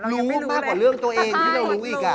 รู้มากกว่าเรื่องตัวเองที่เรารู้อีก